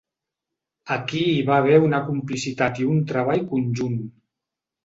Aquí hi va haver una complicitat i un treball conjunt.